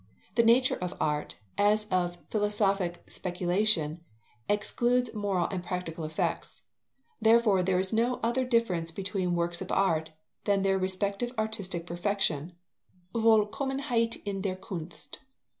The nature of art, as of philosophic speculation, excludes moral and practical effects. Therefore, _there is no other difference between works of art than their respective artistic perfection (Vollkommenheit in der Kunst)_.